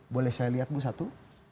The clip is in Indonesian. boleh saya lihat bu satu